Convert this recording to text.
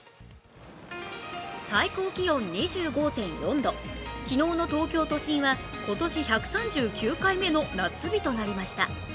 最高気温２５．４度、昨日の東京都心は今年１３９回目の夏日となりました。